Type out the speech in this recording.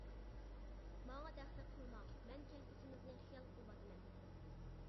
-ماڭا دەخلى قىلماڭ، مەن كەلگۈسىمىزنى خىيال قىلىۋاتىمەن.